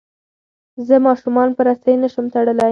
زه ماشومان په رسۍ نه شم تړلی.